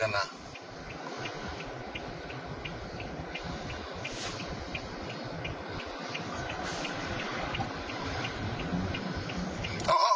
เอาเอาเอาเอา